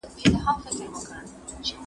قلمان د زده کوونکي له خوا پاک کيږي